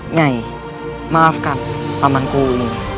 nyai maafkan pamanku ini